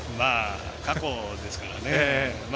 過去ですからね。